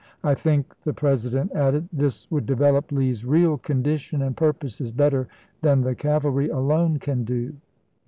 I think," the President added, "this would develop Lee's real condition and purposes better than the cavalry alone can do."